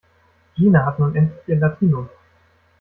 Gina hat nun endlich ihr Latinum.